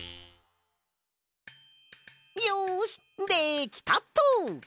よしできたっと。